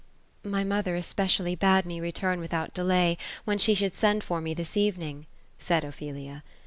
''My mother especially bade me return without delay, when she should send for me this evening ;" said Ophelia.